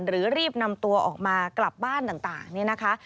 รีบนำตัวออกมากลับบ้านต่างเนี่ยนะคะ